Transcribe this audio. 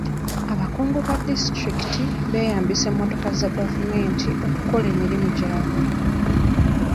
Abakungu ba disitulikiti beeyambisa emmotoka za gavumenti okukola emirimu gyabwe.